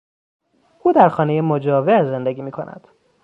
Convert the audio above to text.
او در خانهی مجاور زندگی می کند.